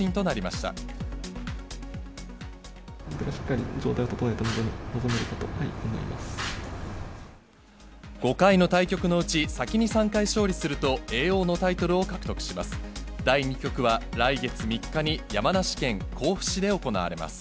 しっかり状態を整えて臨めれ５回の対局のうち、先に３回勝利すると、叡王のタイトルを獲得します。